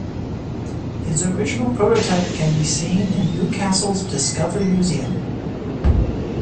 His original prototype can be seen in Newcastle's Discovery Museum.